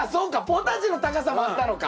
ポタジェの高さもあったのか。